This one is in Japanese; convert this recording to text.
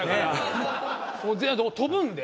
飛ぶんで。